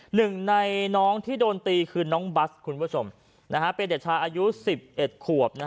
หนึ่งในน้องที่โดนตีคือน้องบัสคุณผู้ชมเป็นเด็กชายอายุ๑๑ขวบ